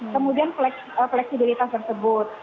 kemudian fleksibilitas tersebut